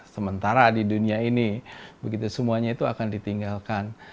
sementara di dunia ini begitu semuanya itu akan ditinggalkan